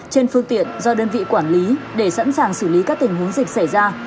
trên phương tiện do đơn vị quản lý để sẵn sàng xử lý các tình huống dịch xảy ra